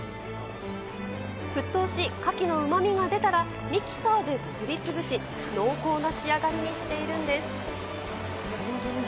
沸騰しカキのうまみが出たら、ミキサーですりつぶし、濃厚な仕上がりにしているんです。